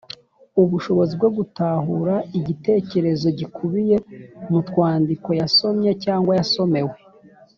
Ubushobozi bwo gutahura igitekerezo gikubiye mu twandiko yasomye cyangwa yasomewe.